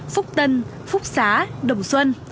phúc tân phúc xá đồng xuân